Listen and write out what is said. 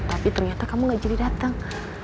tapi ternyata kamu gak jadi datang